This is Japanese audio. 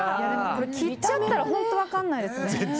これ、切っちゃったら本当に分からないですね。